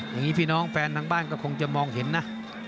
อย่างนี้พี่น้องแฟนทางบ้านก็คงจะมองเห็นนะ